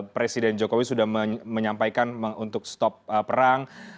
presiden jokowi sudah menyampaikan untuk stop perang